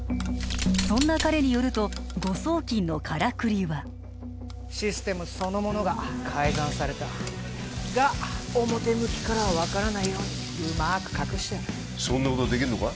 そんな彼によると誤送金のカラクリはシステムそのものが改ざんされたが表向きからは分からないようにうまく隠してあるそんなことできんのか？